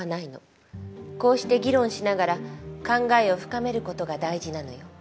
こうして議論しながら考えを深める事が大事なのよ。